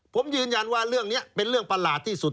ผมยืนยันว่าเรื่องนี้เป็นเรื่องประหลาดที่สุด